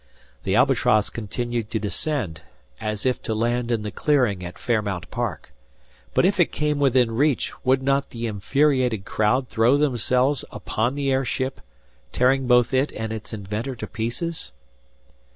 The "Albatross" continued to descend, as if to land in the clearing at Fairmount Park. But if it came within reach, would not the infuriated crowd throw themselves upon the airship, tearing both it and its inventor to pieces?